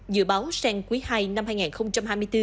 dự báo sang quý ii năm hai nghìn hai mươi bốn